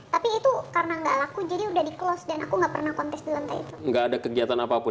tapi itu karena gak laku jadi udah di close dan aku nggak pernah kontes di lantai gak ada kegiatan apapun